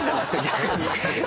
逆に。